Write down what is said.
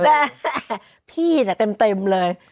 แต่พีท่ะเต็มเลย